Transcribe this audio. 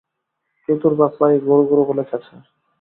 চতুর বাঘ প্রায়ই গরু গরু বলে চেঁচায়।